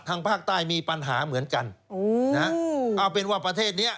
ทางภาคใต้มีปัญหาเหมือนกันเอาเป็นว่าประเทศนี้